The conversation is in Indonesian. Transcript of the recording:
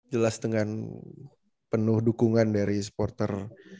jelas dengan penuh dukungan dari supporter